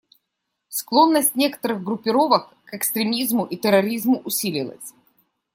Склонность некоторых группировок к экстремизму и терроризму усилилась.